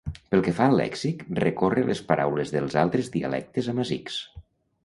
Pel que fa al lèxic, recorre a les paraules dels altres dialectes amazics.